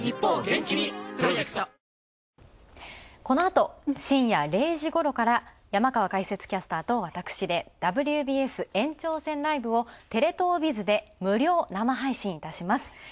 このあと深夜０時ごろから山川解説キャスターと私で「ＷＢＳ延長戦ＬＩＶＥ」をテレ東ＢＩＺで無料生配信いたします。